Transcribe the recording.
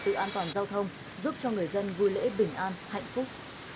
tự an toàn giao thông giúp cho người dân vui lễ bình an hạnh phúc